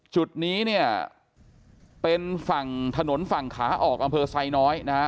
จุดนี้เนี่ยเป็นฝั่งถนนฝั่งขาออกอำเภอไซน้อยนะฮะ